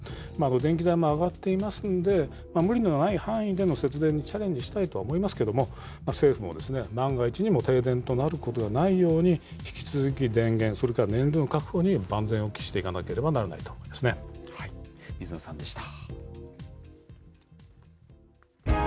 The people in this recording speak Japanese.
電気代も上がっていますので、無理のない範囲での節電にチャレンジしたいとは思いますけれども、政府も万が一にも停電となることがないように、引き続き電源、それから燃料確保に万全を期していかなければならないということ水野さんでした。